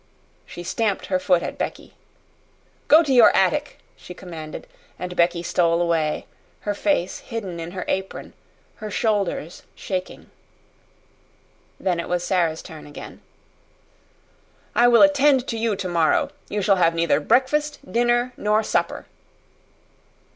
She stamped her foot at Becky. "Go to your attic!" she commanded, and Becky stole away, her face hidden in her apron, her shoulders shaking. Then it was Sara's turn again. "I will attend to you tomorrow. You shall have neither breakfast, dinner, nor supper!"